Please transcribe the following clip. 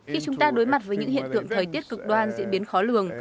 khi chúng ta đối mặt với những hiện tượng thời tiết cực đoan diễn biến khó lường